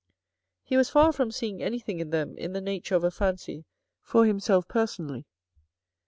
He was far from seeing anything in them in the nature of a fancy for himself personally.